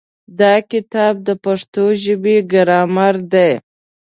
دا کتاب د پښتو ژبې ګرامر دی.